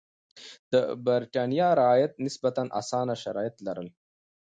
د برېټانیا رعیت نسبتا اسانه شرایط لرل.